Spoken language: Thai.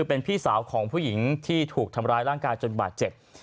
เป็นพี่สาวของผู้หญิงที่ถูกทำร้ายร่างกายจนบาดเจ็บ